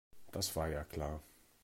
Das war ja klar.